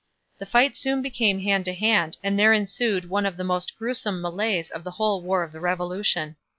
The fight soon became hand to hand and there ensued one of the most gruesome melees of the whole War of the Revolution.